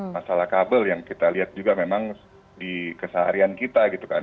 masalah kabel yang kita lihat juga memang di keseharian kita gitu kan